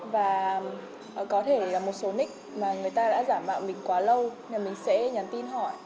và có thể một số nick mà người ta đã giả mạo mình quá lâu thì mình sẽ nhắn tin hỏi